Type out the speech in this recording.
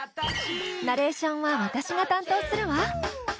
ナレーションは私が担当するわ。